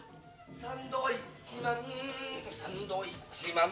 「サンドイッチマンサンドイッチマン」